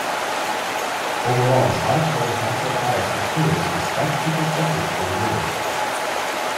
Overall, this auditory hindsight bias occurs despite people's effort to avoid it.